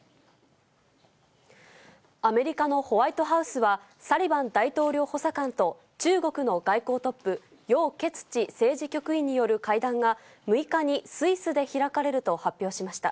アメリカのホワイトハウスは、サリバン大統領補佐官と、中国の外交トップ、楊潔チ政治局員による会談が６日にスイスで開かれると発表しました。